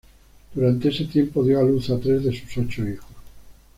Durante este tiempo dio a luz a tres de sus ocho hijos.